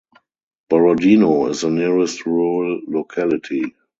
Borodino is the nearest rural locality.